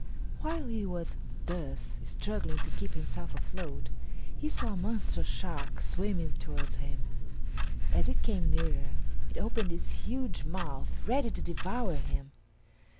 While he was thus struggling to keep himself afloat, he saw a monstrous shark swimming towards him. As it came nearer it opened its huge mouth ready to devour him.